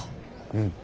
うん。